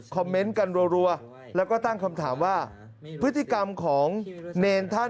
เมนต์กันรัวแล้วก็ตั้งคำถามว่าพฤติกรรมของเนรท่าน